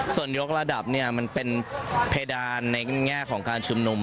ส่วนยกระดับเนี่ยมันเป็นเพดานในแง่ของการชุมนุม